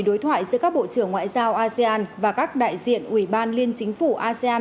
đối thoại giữa các bộ trưởng ngoại giao asean và các đại diện ủy ban liên chính phủ asean